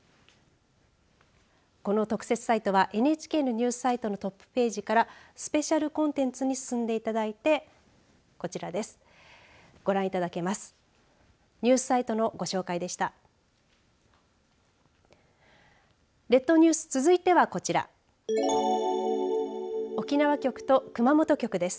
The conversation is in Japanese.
この特設サイトはＮＨＫのニュースサイトのトップページからスペシャルコンテンツに進んでいただいてこちらです。